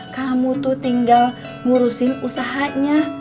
kamu tuh tinggal ngurusin usahanya